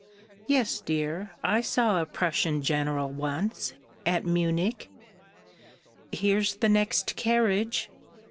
_)... Yes, dear, I saw a Prussian General once, at Munich. "Here's the next carriage!...